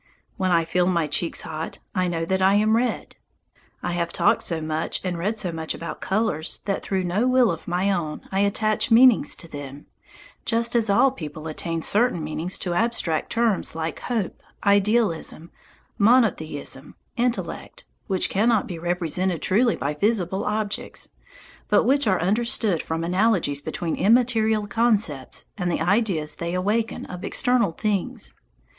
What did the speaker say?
When I feel my cheeks hot, I know that I am red. I have talked so much and read so much about colours that through no will of my own I attach meanings to them, just as all people attach certain meanings to abstract terms like hope, idealism, monotheism, intellect, which cannot be represented truly by visible objects, but which are understood from analogies between immaterial concepts and the ideas they awaken of external things.